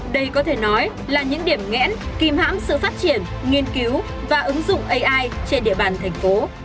đây có thể nói là những điểm nghẽn kìm hãm sự phát triển nghiên cứu và ứng dụng ai trên địa bàn thành phố